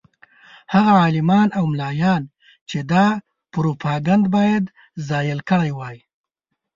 هغه عالمان او ملایان چې دا پروپاګند باید زایل کړی وای.